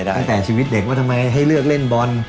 ตั้งแต่ชีวิตเด็กว่าทำไมให้เลือกเล่นบอล